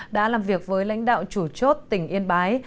đã làm việc với lãnh đạo chủ chốt tỉnh yên bái